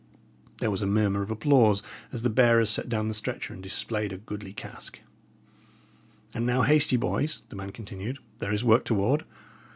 There was a murmur of applause as the bearers set down the stretcher and displayed a goodly cask. "And now haste ye, boys," the man continued. "There is work toward.